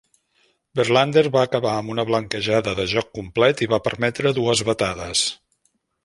Verlander va acabar amb una blanquejada de joc complet i va permetre dues batades.